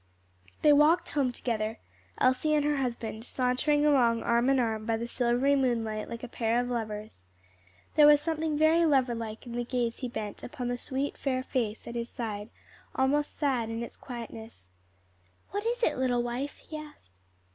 '" They walked home together Elsie and her husband sauntering along arm in arm, by the silvery moonlight, like a pair of lovers. There was something very lover like in the gaze he bent upon the sweet, fair face at his side, almost sad in its quietness. "What is it, little wife?" he asked.